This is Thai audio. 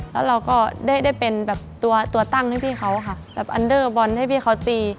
แล้วเราก็ได้เป็นแบบตัวตั้งให้พี่เขาค่ะแบบอันเดอร์บอลให้พี่เขาตี